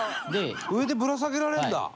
上で、ぶら下げられるんだ。